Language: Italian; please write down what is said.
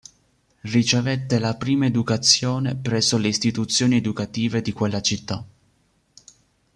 Ricevette la prima educazione presso le istituzione educative di quella città.